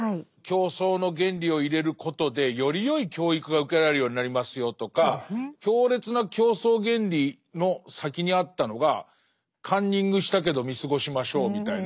競争の原理を入れることでよりよい教育が受けられるようになりますよとか強烈な競争原理の先にあったのがカンニングしたけど見過ごしましょうみたいな。